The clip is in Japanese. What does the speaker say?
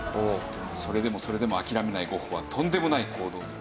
それでもそれでも諦めないゴッホはとんでもない行動に。